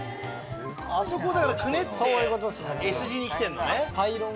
あそこだからくねってＳ字に来てんのね。